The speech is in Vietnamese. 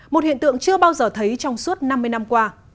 một hiện tượng chưa bao giờ thấy trong suốt năm mươi năm qua